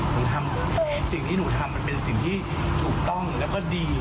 หนูทำสิ่งที่หนูทำมันเป็นสิ่งที่ถูกต้องแล้วก็ดีอยู่